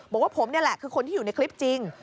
บอกว่าผมนี่แหละคือคนที่อยู่ในคลิปจริง